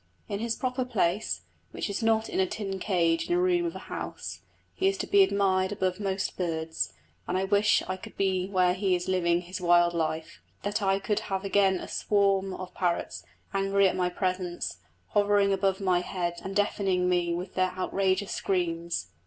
In his proper place, which is not in a tin cage in a room of a house, he is to be admired above most birds; and I wish I could be where he is living his wild life; that I could have again a swarm of parrots, angry at my presence, hovering above my head and deafening me with their outrageous screams.